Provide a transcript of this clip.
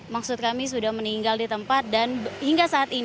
maksud kami sudah meninggal di tempat dan hingga ke tempat kejadian